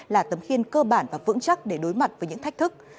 là tấm khiên cơ bản và vững chắc để đối mặt với những thách thức